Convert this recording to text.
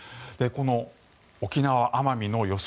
この沖縄・奄美の予想